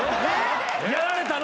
やられたな。